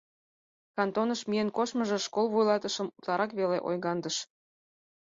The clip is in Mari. Кантоныш миен коштмыжо школ вуйлатышым утларак веле ойгаҥдыш.